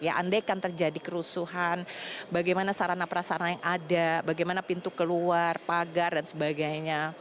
ya andaikan terjadi kerusuhan bagaimana sarana perasana yang ada bagaimana pintu keluar pagar dan sebagainya